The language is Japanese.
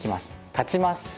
立ちます。